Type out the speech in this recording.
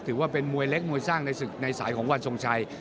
ถือว่าเป็นมวยเล็กมวยสร้างในศึกในสายของวันทรงชัย